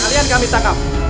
kalian kami tangkap